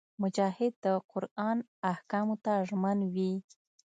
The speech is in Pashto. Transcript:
مجاهد د قران احکامو ته ژمن وي.